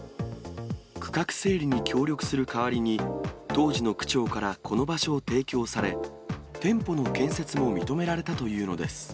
区画整理に協力する代わりに、当時の区長からこの場所を提供され、店舗の建設も認められたというのです。